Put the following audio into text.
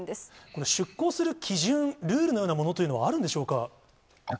この出港する基準、ルールのようなものというのはあるんでしょうか。